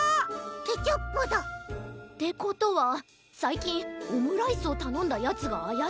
ケチャップだ！ってことはさいきんオムライスをたのんだヤツがあやしいな。